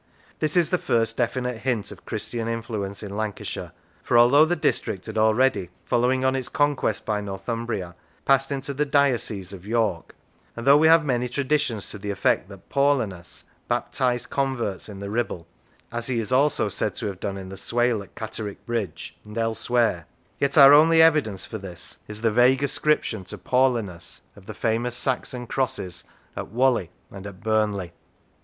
This is the first definite hint of Christian influence in Lancashire, for although the district had already, following on its conquest by Northumbria, passed into the diocese of York, and though we have many traditions to the effect that Paulinus baptised converts in the Ribble, as he is also said to have done in the Swale at Catterick Bridge, and elsewhere, yet our only evidence for this is 54 How It Came into Being the vague ascription to Paulinus of the famous Saxon crosses at Whalley and at Burnley.